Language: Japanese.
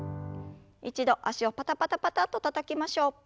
一度脚をパタパタパタッとたたきましょう。